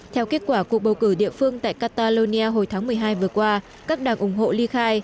theo kết quả cuộc bầu cử địa phương tại catalonia hồi tháng một mươi hai vừa qua các đảng ủng hộ ly khai